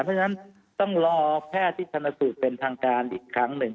เพราะฉะนั้นต้องรอแพทย์ที่ชนสูตรเป็นทางการอีกครั้งหนึ่ง